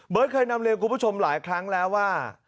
เคยนำเรียนคุณผู้ชมหลายครั้งแล้วว่า